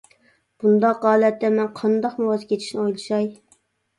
بۇنداق ھالەتتە مەن قانداقمۇ ۋاز كېچىشنى ئويلىشاي.